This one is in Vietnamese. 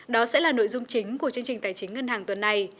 đó sẽ là nội dung chính của chương trình tài chính ngân hàng tuần này